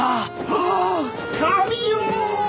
ああ神よ！